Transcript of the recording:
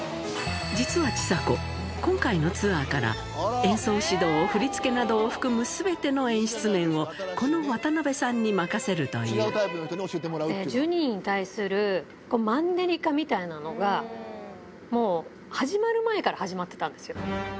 実はちさ子、今回のツアーから、演奏指導、振り付けなどを含むすべての演出面を、この渡邉さんに任せるとい１２人に対するマンネリ化みたいなのが、もう始まる前から始まってたんですよ。